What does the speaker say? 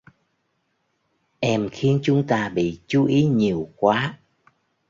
Em khiến chúng ta bị chú ý nhiều quá